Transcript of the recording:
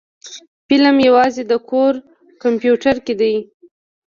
فلم يوازې د کور کمپيوټر کې دی.